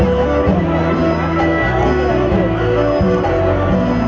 สวัสดีสวัสดี